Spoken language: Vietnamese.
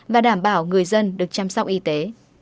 và đảm bảo người dân được chăm sóc y tế